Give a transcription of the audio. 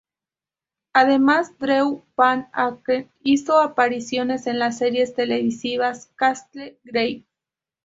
Además, Drew Van Acker hizo apariciones en las series televisivas Castle y Greek.